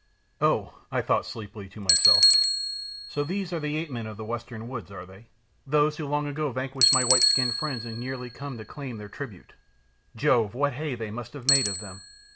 "Oh," I thought sleepily to myself, "so these are the ape men of the western woods, are they? Those who long ago vanquished my white skinned friends and yearly come to claim their tribute. Jove, what hay they must have made of them!